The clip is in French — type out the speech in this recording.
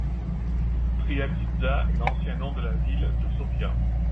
Triaditza est l'ancien nom de la ville de Sofia.